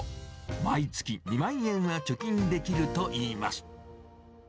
毎月２万円は貯金できるといいます。